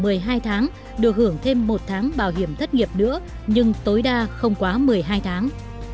mỗi năm đủ một mươi hai tháng được hưởng thêm một tháng bảo hiểm thất nghiệp nữa nhưng tối đa không quá một mươi hai tháng